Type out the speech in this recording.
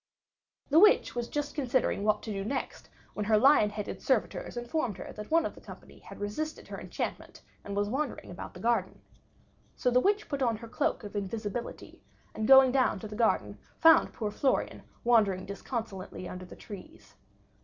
The witch was just considering what to do next, when her lion headed servitors informed her that one of the company had resisted her enchantment, and was wandering about the garden. So the witch put on her cloak of invisibility, and going down to the garden, found poor Florian wandering disconsolately under the trees.